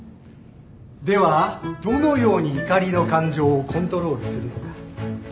ではどのように怒りの感情をコントロールするのか